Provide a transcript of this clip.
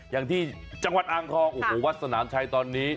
อย่างที่จังหวัดอ่างทองโอ้โหวัดสนามชัยตอนนี้